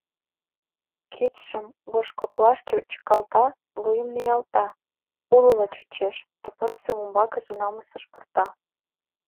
Кидшым вожгоклашкыже чыкалта, вуйым ниялта: улыла чучеш да пырысым умбакыже намысыш пурта.